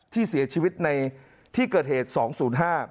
ที่เสียชีวิตในที่เกิดเหตุ๒๐๕